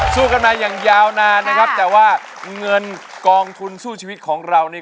สู้กันมาอย่างยาวนานนะครับแต่ว่าเงินกองทุนสู้ชีวิตของเรานี่